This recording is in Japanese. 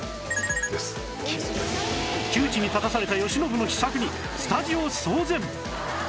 窮地に立たされた慶喜の秘策にスタジオ騒然！